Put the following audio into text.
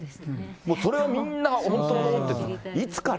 もうそれをみんな、本当思ってる、いつから？